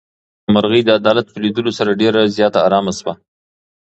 مرغۍ د عدالت په لیدلو سره ډېره زیاته ارامه شوه.